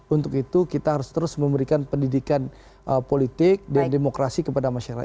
untuk itu kita harus terus memberikan pendidikan politik dan demokrasi kepada masyarakat